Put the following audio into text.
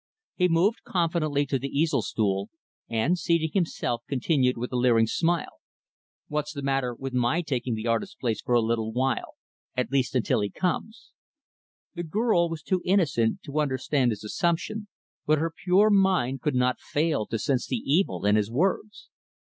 He moved confidently to the easel stool and, seating himself continued with a leering smile, "What's the matter with my taking the artist's place for a little while at least, until he comes?" The girl was too innocent to understand his assumption but her pure mind could not fail to sense the evil in his words.